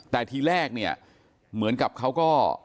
แต่ทีแรกเนี่ยเหมือนกับเขาก็